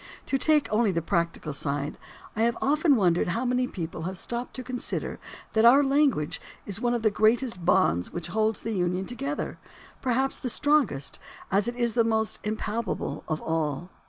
To take only the practical side, I have often wondered how many people have stopped to consider that our language is one of the greatest bonds which hold the Union together, perhaps the strongest, as it is the most impalpable of all.